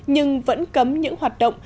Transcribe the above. nhưng vẫn cấm những hoạt động